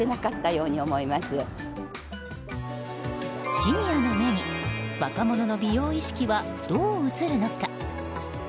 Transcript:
シニアの目に若者の美容意識はどう映るのか。